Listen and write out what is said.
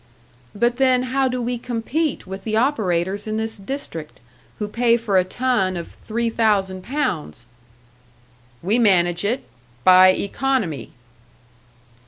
"But then, how do we compete with the operators in this district, who pay for a ton of three thousand pounds?" "We manage it by economy."